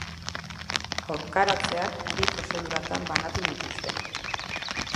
Aurkaratzeak bi prozeduratan banatu dituzte.